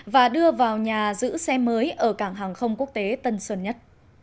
và đưa vào nhà giữ xe mới ở cảng hàng không quốc tế tân sơn nhất